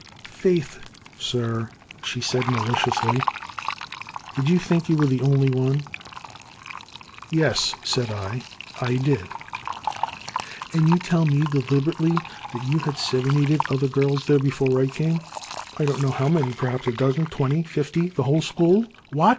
''Faith, sir," she said maliciously, did you think you were the only one ?" "Yes," said I, "I did." "And you tell me deliberately that you had serenaded other girls there before I came — I don't know how many, perhaps a dozen, twenty, fifty, the whole school !" What